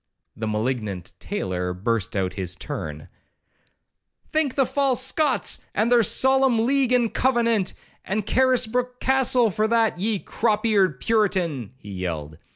The malignant tailor burst out in his turn: 'Thank the false Scots, and their solemn league and covenant, and Carisbrook Castle, for that, ye crop eared Puritan,' he yelled.